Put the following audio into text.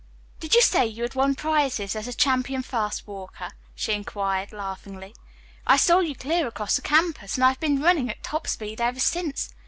"Did you say you had won prizes as a champion fast walker?" she inquired laughingly. "I saw you clear across the campus, and I've been running at top speed ever since.